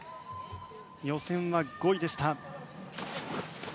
予選は５位でした。